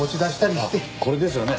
あっこれですよね？